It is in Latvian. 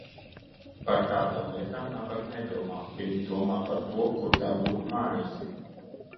Par tādām lietām nabagi nedomā – viņi domā par to, kur dabūt maizi.